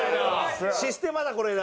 システマだこれが。